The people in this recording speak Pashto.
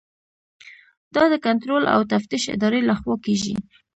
دا د کنټرول او تفتیش ادارې لخوا کیږي.